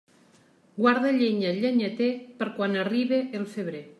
Guarda llenya el llenyater, per quan arribe el febrer.